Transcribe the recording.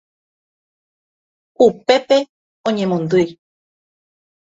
upépe añemondýi